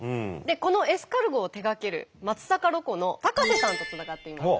このエスカルゴを手がける松阪ロコの高瀬さんとつながっています。